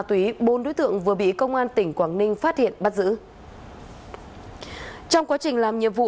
túy bốn đối tượng vừa bị công an tỉnh quảng ninh phát hiện bắt giữ trong quá trình làm nhiệm vụ